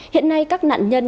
hiện nay các nạn nhân